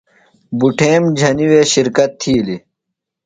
بٹھیم جھنیۡ وے شِرکت تِھیلیۡ۔